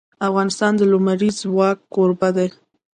افغانستان د لمریز ځواک کوربه دی.